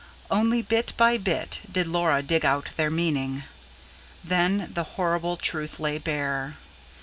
Only bit by bit did Laura dig out their meaning: then, the horrible truth lay bare.